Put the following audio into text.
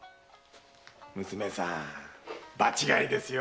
娘さん場違いですよ。